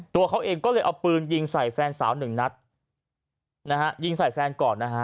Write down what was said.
ตัวเขาเองก็เลยเอาปืนยิงใส่แฟนสาวหนึ่งนัดนะฮะยิงใส่แฟนก่อนนะฮะ